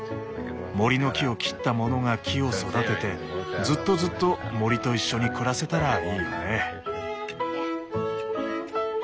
森の木を切った者が木を育ててずっとずっと森と一緒に暮らせたらいいよね。